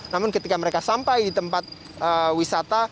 namun ketika mereka sampai di tempat wisata